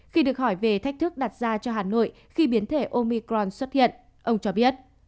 khi được hỏi về thách thức đặt ra cho hà nội khi biến thể omicron xuất hiện ông cho biết